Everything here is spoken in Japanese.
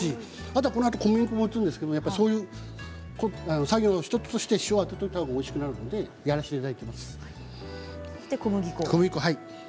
このあと小麦粉を打つんですがそういう作業の１つとして塩をあてておいたほうがおいしくなるのでやらせていただきます。